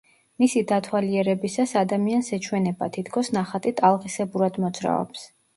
მისი დათვალიერებისას ადამიანს ეჩვენება, თითქოს ნახატი ტალღისებურად მოძრაობს.